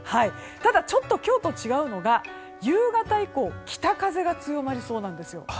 ただ今日と違うのが夕方以降は北風が強まりそうなんです。